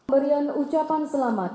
berian ucapan selamat